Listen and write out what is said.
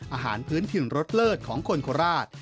อาหารพื้นถิ่นรสเลิศของคนโคราช